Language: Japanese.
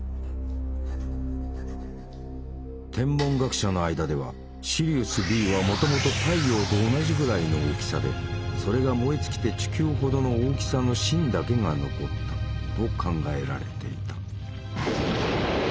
天文学者の間ではシリウスＢはもともと太陽と同じぐらいの大きさでそれが燃え尽きて地球ほどの大きさの芯だけが残ったと考えられていた。